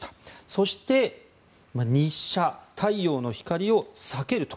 そして、日射、太陽の光を避けると。